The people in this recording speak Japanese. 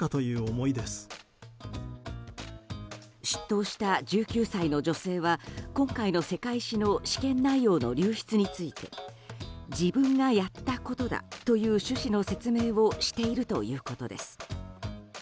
出頭した１９歳の女性は今回の世界史の試験内容の流出について自分がやったことだという趣旨の説明をしているということです。